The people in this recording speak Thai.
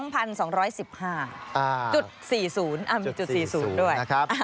ผมจะให้จุด๔๐ด้วย